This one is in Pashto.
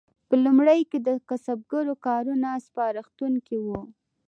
په لومړیو کې د کسبګرو کارونه سپارښتونکي وو.